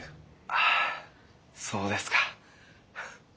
ああそうですか。